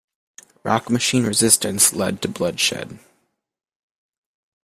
Rock Machine resistance led to bloodshed.